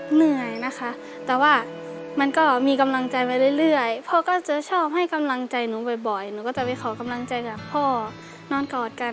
เหนื่อยนะคะแต่ว่ามันก็มีกำลังใจไปเรื่อยพ่อก็จะชอบให้กำลังใจหนูบ่อยหนูก็จะไปขอกำลังใจจากพ่อนอนกอดกัน